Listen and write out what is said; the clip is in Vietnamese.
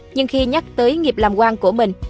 nhưng khi nhắc tới nghiệp làm quang của mình